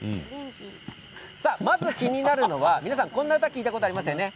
まず気になるのは皆さんこの歌、聞いたことありますよね。